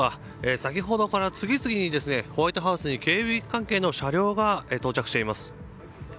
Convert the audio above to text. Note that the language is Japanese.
先ほどから次々にホワイトハウスに警備関係の車両が到着しています。